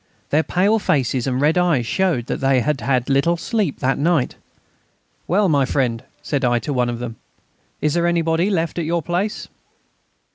Their pale faces and red eyes showed that they had had little sleep that night. "Well, my friend," said I to one of them, "is there anybody left at your place?"